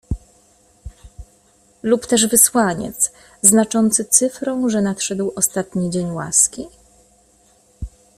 "Lub też wysłaniec, znaczący cyfrą, że nadszedł ostatni dzień łaski?"